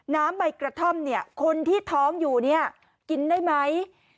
น้ำใบกระท่อมเนี่ยคนที่ท้องอยู่เนี่ยกินได้ไหม